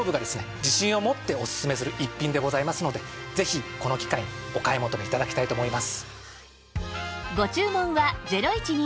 自信を持っておすすめする逸品でございますのでぜひこの機会にお買い求め頂きたいと思います。